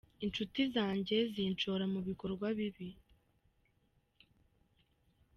Inshuti zanjye zinshora mu bikorwa bibi